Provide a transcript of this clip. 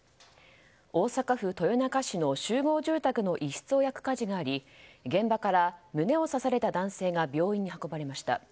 大阪府豊中市の集合住宅の一室を焼く火事があり現場から胸を刺された男性が病院に運ばれました。